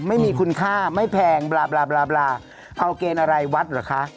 ไม่มีคุณค่าไม่แพงบลาเอาเกณฑ์อะไรวัดเหรอคะ